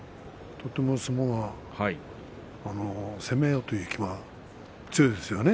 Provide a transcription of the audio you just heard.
相撲が攻めようという気が強いですよね。